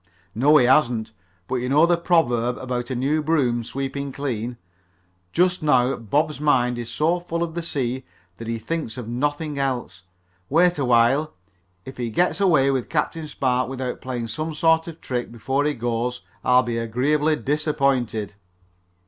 "No, he hasn't. But you know the proverb about a new broom sweeping clean. Just now Bob's mind is so full of the sea that he thinks of nothing else. Wait a while. If he gets away with Captain Spark without playing some sort of a trick before he goes I'll be agreeably disappointed."